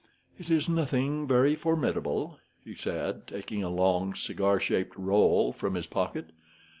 "It is nothing very formidable," he said, taking a long, cigar shaped roll from his pocket.